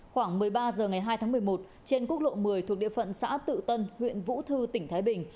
khoảng một mươi ba h ngày hai tháng một mươi một trên quốc lộ một mươi thuộc địa phận xã tự tân huyện vũ thư tỉnh thái bình